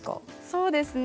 そうですね。